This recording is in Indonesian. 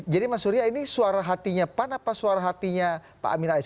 jadi mas surya ini suara hatinya pan apa suara hatinya pak amin rais